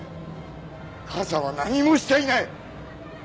母さんは何もしちゃいない！